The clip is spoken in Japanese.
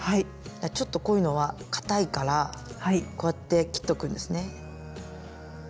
ちょっとこういうのはかたいからこうやって切っておくんですね。